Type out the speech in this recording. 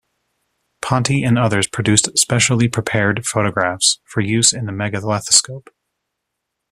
Ponti and others produced specially prepared photographs for use in the Megalethoscope.